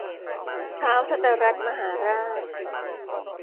ท้าวธตรัฐมหาราช